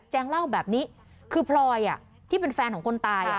แจ้งเล่าแบบนี้คือพรอยอ่ะที่เป็นแฟนของคนตายอ่ะ